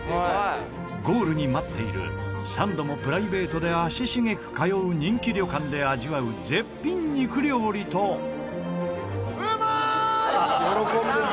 ゴールに待っているサンドもプライベートで足しげく通う人気旅館で味わう絶品肉料理とうまい！